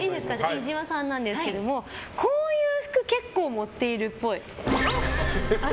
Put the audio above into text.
飯島さんなんですけどもこういう服結構持ってるっぽい。